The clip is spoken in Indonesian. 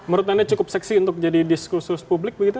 menurut anda cukup seksi untuk jadi diskursus publik begitu